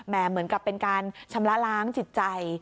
เหมือนกับเป็นการชำระล้างจิตใจ